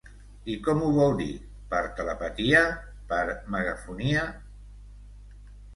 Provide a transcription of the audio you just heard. I com m'ho vol dir, per telepatia, per megafonia?